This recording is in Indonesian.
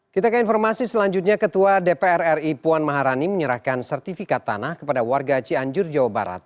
kita ke informasi selanjutnya ketua dpr ri puan maharani menyerahkan sertifikat tanah kepada warga cianjur jawa barat